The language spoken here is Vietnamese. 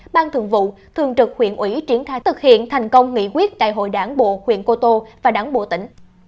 ban thường vụ thường trực huyện ủy triển khai thực hiện thành công nghị quyết đại hội đảng bộ huyện cô tô và đảng bộ tỉnh